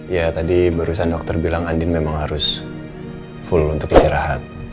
ya tadi barusan dokter bilang andin memang harus full untuk istirahat